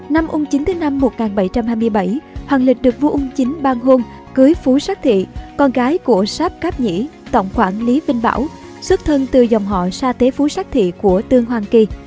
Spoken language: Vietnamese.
năm ung chính thứ năm một nghìn bảy trăm hai mươi bảy hoàng lịch được vua ung chính bang hôn cưới phú sát thị con gái của sáp cáp nhĩ tổng khoản lý vinh bảo xuất thân từ dòng họ sa tế phú sát thị của tương hoàng kỳ